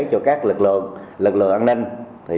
cho các lực lượng an ninh